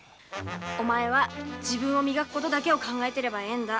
お前は自分を磨くことだけを考えていればいいんだ。